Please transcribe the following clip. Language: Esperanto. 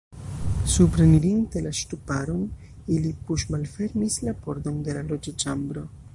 Suprenirinte la ŝtuparon, ili puŝmalfermis la pordon de la loĝoĉambro.